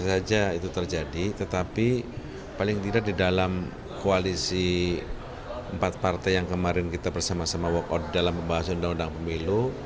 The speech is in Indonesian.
bisa saja itu terjadi tetapi paling tidak di dalam koalisi empat partai yang kemarin kita bersama sama walk out dalam pembahasan undang undang pemilu